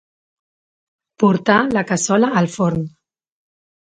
Portar la cassola al forn.